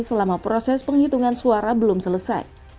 selama proses penghitungan suara belum selesai